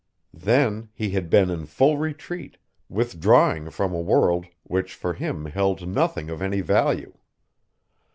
Then he had been in full retreat, withdrawing from a world which for him held nothing of any value.